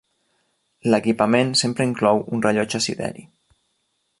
L'equipament sempre inclou un rellotge sideri.